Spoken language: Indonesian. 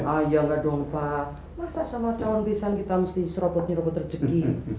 ayolah dong pak masa sama cawan pisang kita mesti serobot nyerobot terjegi